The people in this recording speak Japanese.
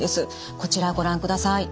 こちらご覧ください。